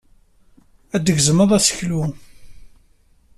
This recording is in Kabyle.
Ad tgezmem aseklu.